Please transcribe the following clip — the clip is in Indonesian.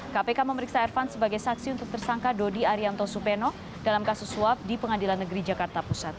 kpk memeriksa ervan sebagai saksi untuk tersangka dodi arianto supeno dalam kasus suap di pengadilan negeri jakarta pusat